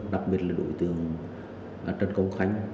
đặc biệt là đối tượng trần công khánh